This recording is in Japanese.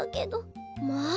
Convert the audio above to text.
まあ！